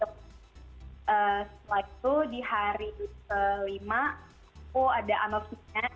setelah itu di hari kelima aku ada anopsinya